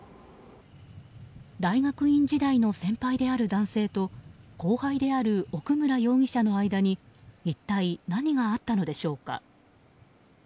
大学院時代の先輩である男性と後輩である奥村容疑者の間に一体何があったのでしょうか。